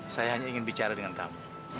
saya hanya ingin bicara dengan kamu